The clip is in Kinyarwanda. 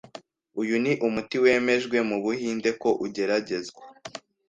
Uyu ni umuti wemejwe mu Buhinde ko ugeragezwa